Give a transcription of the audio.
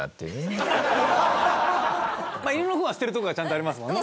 まあ犬の糞は捨てる所がちゃんとありますもんね。